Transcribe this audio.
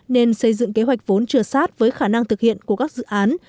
nên xây dựng kế hoạch vốn trừa sát với khả năng thực hiện của các dự án